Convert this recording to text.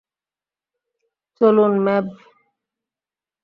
চলুন, ম্যাভ।